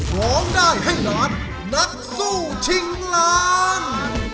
ร้องได้ให้ล้านนักสู้ชิงล้าน